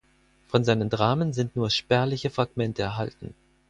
Von seinen Dramen sind nur spärliche Fragmente erhalten.